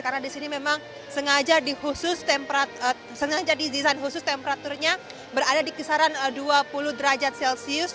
karena di sini memang sengaja di khusus temperatur sengaja di desain khusus temperaturnya berada di kisaran dua puluh derajat celcius